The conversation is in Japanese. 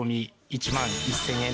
１万１０００円！？